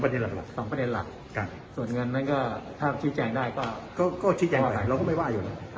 ๒ประเด็นหลักส่วนเงินถ้าชิคแจงได้ก็ชิคแจงได้เราก็ไม่ว่าอยู่แล้ว